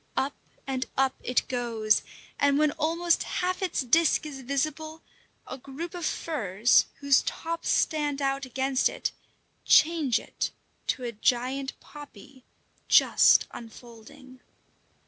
Up and up it goes, and when almost half its disc is visible, a group of firs, whose tops stand out against it, change to a giant poppy just unfolding.